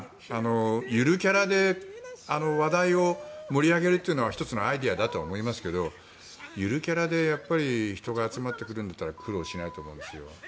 ゆるキャラで話題を盛り上げるというのは１つのアイデアだとは思いますがゆるキャラで人が集まってくるなら苦労しないと思いますよ。